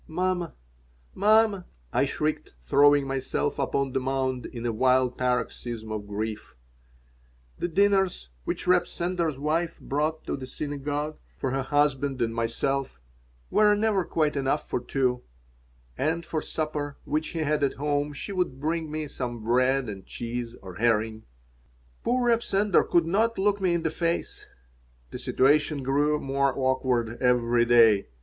"Mamma! Mamma!" I shrieked, throwing myself upon the mound in a wild paroxysm of grief The dinners which Reb Sender's wife brought to the synagogue for her husband and myself were never quite enough for two, and for supper, which he had at home, she would bring me some bread and cheese or herring. Poor Reb Sender could not look me in the face. The situation grew more awkward every day.